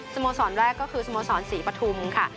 โมสรแรกก็คือสโมสรศรีปฐุมค่ะ